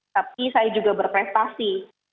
tapi saya juga berprestasi